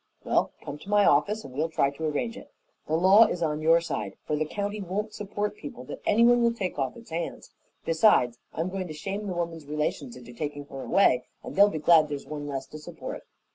"Well, come to my office and we'll try to arrange it. The law is on your side, for the county won't support people that anyone will take off its hands. Besides I'm going to shame the woman's relations into taking her away, and they'll be glad there's one less to support."